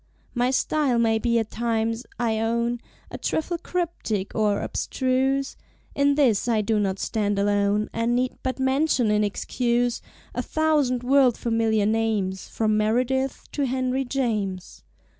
My Style may be at times, I own, A trifle cryptic or abstruse; In this I do not stand alone, And need but mention, in excuse, A thousand world familiar names, From Meredith to Henry James.